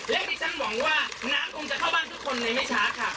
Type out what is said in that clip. และดิฉันหวังว่าน้ำคงจะเข้าบ้านทุกคนในไม่ช้าค่ะ